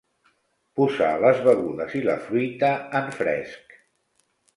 Posar les begudes i la fruita en fresc.